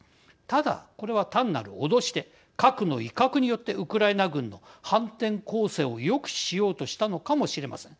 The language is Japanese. ただ、これは単なる脅しで核の威嚇によってウクライナ軍の反転攻勢を抑止しようとしたのかもしれません。